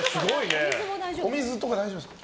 お水とか大丈夫ですか。